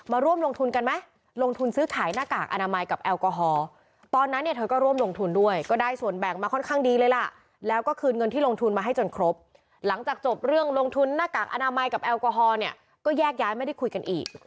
อามาัยกับแอลกอฮอลเห็นนี้ก็แยกย้ายไม่ได้คุยกันอีก